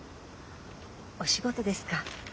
お仕事ですか？